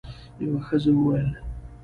یوه ښځه وویل: